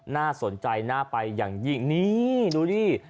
น่าสนใจน่าไปอย่างยิ่งนี่ดูดิ